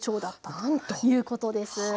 なんと！ということです。